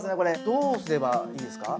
どうすればいいですか？